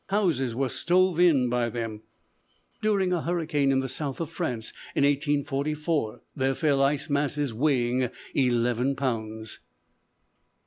Houses were stove in by them. During a hurricane in the south of France, in 1844, there fell ice masses weighing eleven pounds.